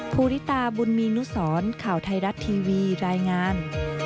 ภูริตาบุญมีนุสรข่าวไทยรัฐทีวีรายงาน